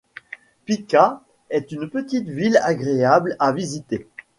Pica est une petite ville agréable à visiter.